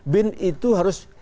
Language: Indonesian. bin itu harus